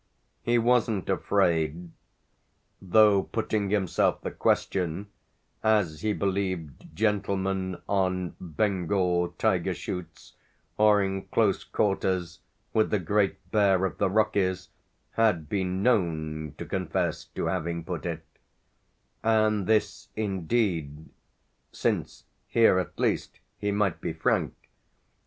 He wasn't afraid (though putting himself the question as he believed gentlemen on Bengal tiger shoots or in close quarters with the great bear of the Rockies had been known to confess to having put it); and this indeed since here at least he might be frank!